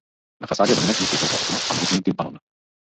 Na fasádě je dominantní půlkruhové okno a mohutný tympanon.